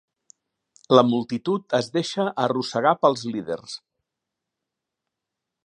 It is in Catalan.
La multitud es deixa arrossegar pels líders.